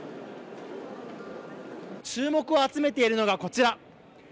注目を集めているのがこちら。